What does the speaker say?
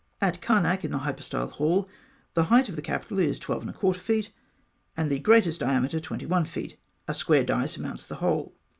At Karnak, in the hypostyle hall, the height of the capital is twelve and a quarter feet, and the greatest diameter twenty one feet. A square die surmounts the whole.